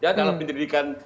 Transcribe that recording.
ya dalam pendidikan